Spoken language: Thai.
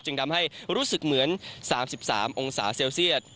ทำให้รู้สึกเหมือน๓๓องศาเซลเซียต